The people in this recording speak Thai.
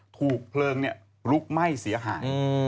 ถูกเพลิงลุกไหม้เสียหาย